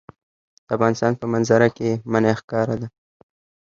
د افغانستان په منظره کې منی ښکاره ده.